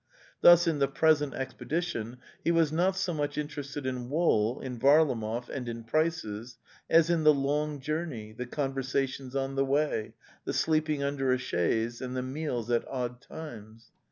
Thus, in the present expedition, he was not so much interested in wool, in Varlamoy, and in prices, as in the long journey, the conversations on the way, the sleeping under a chaise, and the meals at odd times.